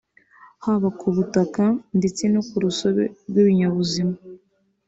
haba ku butaka ndetse no ku rusobe rw’ibinyabuzima